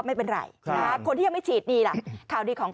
ไม่เป็นไรครับคุณติดชีดมีสิ่งข่าวดีของ